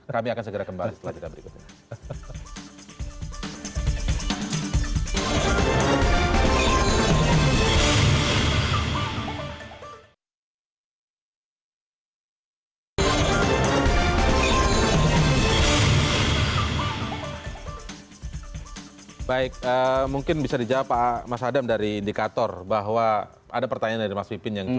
kami akan segera kembali setelah kita berikutnya